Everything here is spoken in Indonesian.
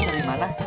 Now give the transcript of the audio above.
bang mau kemana